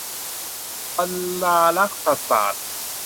บรรณารักษศาสตร์